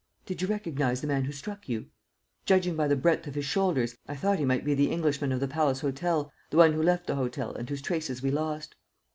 "Did you recognize the man who struck you?" "Judging by the breadth of his shoulders, I thought he might be the Englishman of the Palace Hotel, the one who left the hotel and whose traces we lost."